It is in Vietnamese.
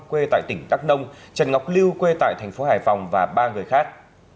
quê tại tỉnh đắk nông trần ngọc lưu quê tại tp hải phòng và ba người khác